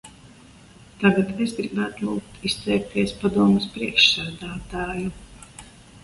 Tagad es gribētu lūgt izteikties Padomes priekšsēdētāju.